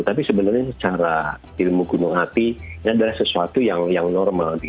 tapi sebenarnya secara ilmu gunung api ini adalah sesuatu yang normal